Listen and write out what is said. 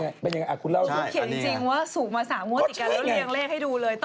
คุณเขียนจริงว่าสูบมา๓งวดติดกันแล้วเรียงเลขให้ดูเลย